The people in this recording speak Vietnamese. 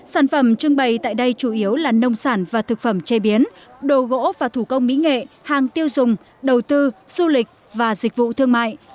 sản phẩm trưng bày tại đây chủ yếu là nông sản và thực phẩm chế biến đồ gỗ và thủ công mỹ nghệ hàng tiêu dùng đầu tư du lịch và dịch vụ thương mại